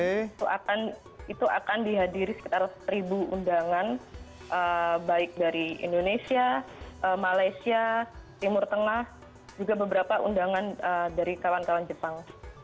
itu akan dihadiri sekitar seribu undangan baik dari indonesia malaysia timur tengah juga beberapa undangan dari kawan kawan jepang